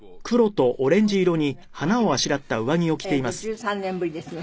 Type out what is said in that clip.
１３年ぶりですね。